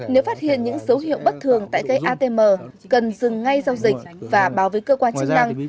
nếu phát hiện những dấu hiệu bất thường tại cây atm cần dừng ngay giao dịch và báo với cơ quan chức năng